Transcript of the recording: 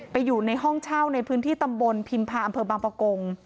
อยู่ในห้องเช่าในพื้นที่ตำบลพิมพาอำเภอบางประกง